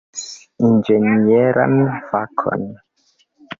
Li studis inĝenieran fakon.